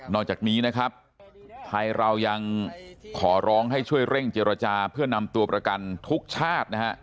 จากนี้นะครับไทยเรายังขอร้องให้ช่วยเร่งเจรจาเพื่อนำตัวประกันทุกชาตินะฮะ